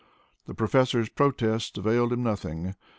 The professor's protests availed him nothing.